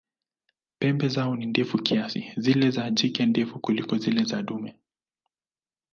Pembe zao ni ndefu kiasi, zile za jike ndefu kuliko zile za dume.